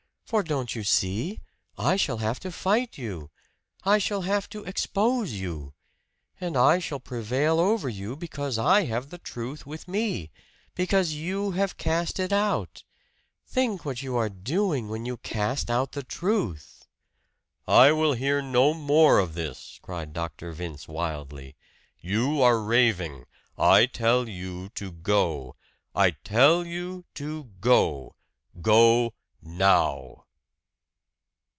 For don't you see I shall have to fight you! I shall have to expose you! And I shall prevail over you, because I have the truth with me because you have cast it out! Think what you are doing when you cast out the truth!" "I will hear no more of this!" cried Dr. Vince wildly. "You are raving. I tell you to go! I tell you to go! Go now!"